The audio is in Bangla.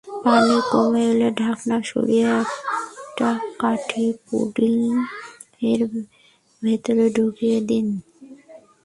পানি কমে এলে ঢাকনা সরিয়ে একটা কাঠি পুডিংয়ের ভেতরে ঢুকিয়ে দিন।